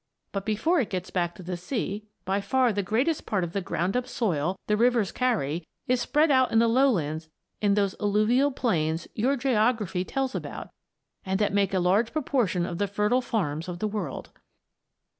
But before it gets back to the sea, by far the greatest part of the ground up soil the rivers carry is spread out in the lowlands in those "alluvial plains" your geography tells about and that make a large proportion of the fertile farms of the world.